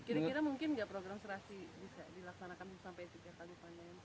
kira kira mungkin nggak program serasi bisa dilaksanakan sampai tiga kali panen